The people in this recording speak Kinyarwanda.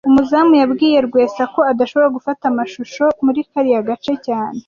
Umuzamu yabwiye Rwesa ko adashobora gufata amashusho muri kariya gace cyane